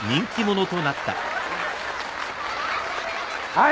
はい。